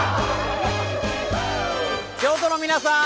京都の皆さん！